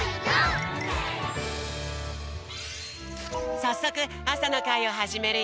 さっそくあさのかいをはじめるよ！